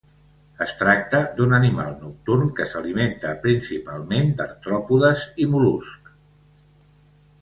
Es tracta d'un animal nocturn que s'alimenta principalment d'artròpodes i mol·luscs.